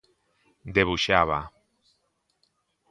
Debuxaba.